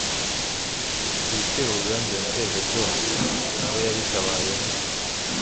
ibitero Ruganzu yateje byose, na we yabitabayemo,